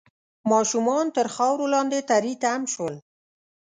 ماشومان تر خاورو لاندې تري تم شول